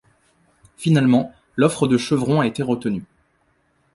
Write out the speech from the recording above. Finalement, l'offre de Chevron a été retenue.